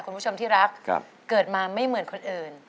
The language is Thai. คุณผู้ชมที่รักเกิดมาไม่เหมือนคนอื่น